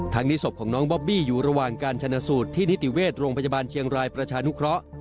นี้ศพของน้องบอบบี้อยู่ระหว่างการชนะสูตรที่นิติเวชโรงพยาบาลเชียงรายประชานุเคราะห์